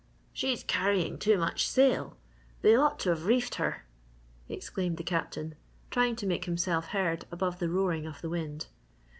"She's carrying too much sail! They ought to've reefed her," exclaimed the Captain, trying to make himself heard above the roaring of the wind.